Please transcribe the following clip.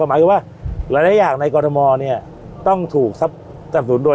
ความหมายคือว่าหลายหลายอย่างในกอร์ธมอร์เนี่ยต้องถูกทรัพย์สูญโดย